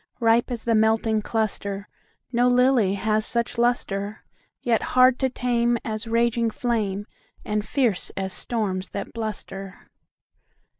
5 Ripe as the melting cluster! No lily has such lustre; Yet hard to tame As raging flame, And fierce as storms that bluster!